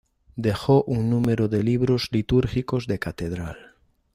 Dejó un número de libros litúrgicos de catedral.